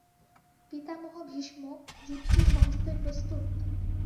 পিতামহ ভীষ্ম, যুদ্ধের সমস্তই প্রস্তুত?